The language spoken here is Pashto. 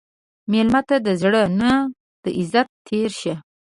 مېلمه ته د زړه نه د عزت تېر شه.